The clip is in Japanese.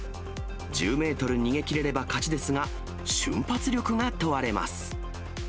１０メートル逃げ切れれば勝ちですが、瞬発力が問われます。